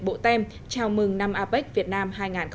bộ tem chào mừng năm apec việt nam hai nghìn một mươi bảy